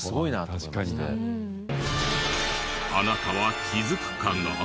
あなたは気づくかな？